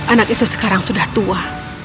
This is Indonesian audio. anak itu sekarang sudah tua